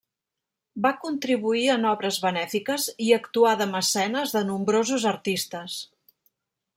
Va contribuir en obres benèfiques i actuà de mecenes de nombrosos artistes.